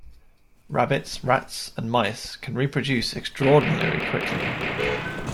Rabbits, rats and mice can reproduce extraordinarily quickly.